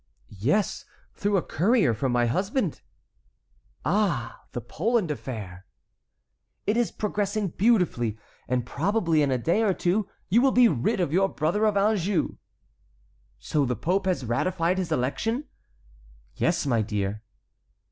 "Yes, through a courier from my husband." "Ah! the Poland affair?" "It is progressing beautifully, and probably in a day or two you will be rid of your brother of Anjou." "So the pope has ratified his election?" "Yes, my dear."